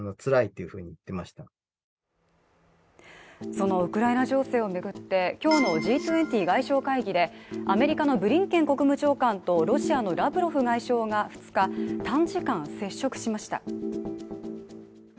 そのウクライナ情勢を巡って今日のＧ２０外相会議でアメリカのブリンケン国務長官とロシアのラブロフ外相が２日、短時間接触しました。